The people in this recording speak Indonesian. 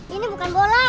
ini bukan bola